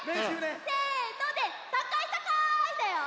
せのでたかいたかいだよ！